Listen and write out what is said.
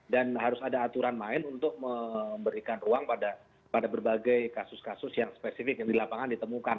dan harus ada aturan lain untuk memberikan ruang pada berbagai kasus kasus yang spesifik yang di lapangan ditemukan